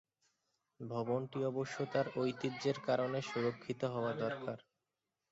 ভবনটি অবশ্য তার ঐতিহ্যের কারণে সুরক্ষিত হওয়া দরকার।